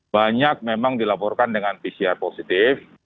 banyak memang dilaporkan dengan pcr positif